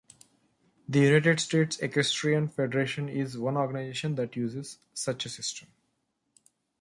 The United States Equestrian Federation is one organization that uses such a system.